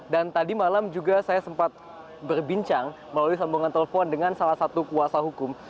dan tadi malam juga saya sempat berbincang melalui sambungan telepon dengan salah satu kuasa hukum